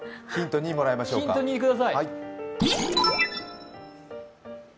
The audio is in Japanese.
ヒント２ください。